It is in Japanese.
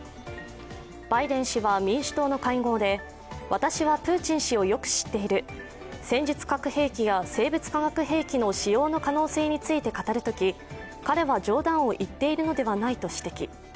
バイデン氏は民主党の会合で私はプーチン氏をよく知っている戦術核兵器や生物化学兵器の使用の可能性について語るとき、彼は冗談を言っているのではないと指摘。